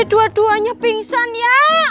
dua duanya pingsan ya